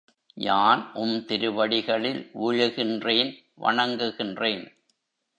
யான் உம் திருவடிகளில் விழுகின்றேன் வணங்குகின்றேன்.